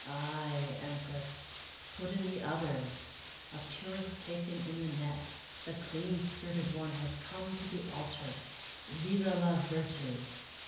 " Aye, Empress," put in the others, " a purist taken in the net. The clean skirted one has come to the altar. Vive la vertu!